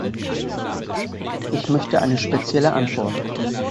Ich möchte eine spezielle Antwort.